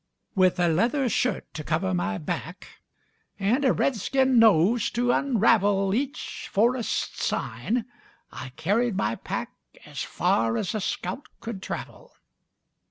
With a leather shirt to cover my back, And a redskin nose to unravel Each forest sign, I carried my pack As far as a scout could travel.